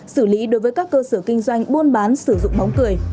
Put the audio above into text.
xử lý đối với các cơ sở kinh doanh buôn bán sử dụng bóng cười